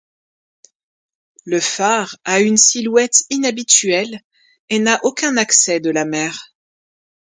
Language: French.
Le phare a uns silhouette inhabituelle et n'a aucun accès de la mer.